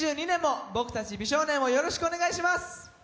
２０２２年もぼくたち美少年をよろしくお願いします。